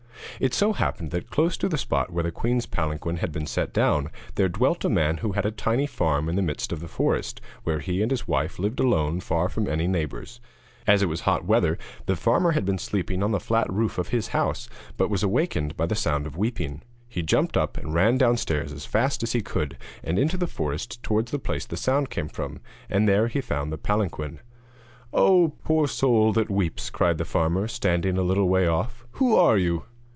It so happened that close to the spot where the queen's palanquin had been set down, there dwelt a man who had a tiny farm in the midst of the forest, where he and his wife lived alone far from any neighbours. As it was hot weather the farmer had been sleeping on the flat roof of his house, but was awakened by the sound of weeping. He jumped up and ran downstairs as fast as he could, and into the forest towards the place the sound came from, and there he found the palanquin. 'Oh, poor soul that weeps,' cried the farmer, standing a little way off, 'who are you?'